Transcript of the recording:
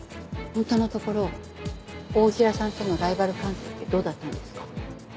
本当のところ太平さんとのライバル関係ってどうだったんですか？